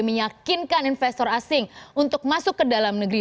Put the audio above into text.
meyakinkan investor asing untuk masuk ke dalam negeri